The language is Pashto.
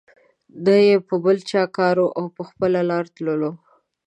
نه یې په بل چا کار وو او په خپله لار تللو.